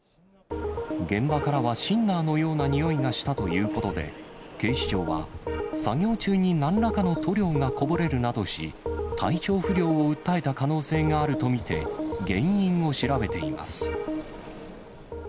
現場からはシンナーのようなにおいがしたということで、警視庁は、作業中になんらかの塗料がこぼれるなどし、体調不良を訴えた可能性があると見て原因を調べています。